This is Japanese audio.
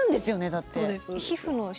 だって。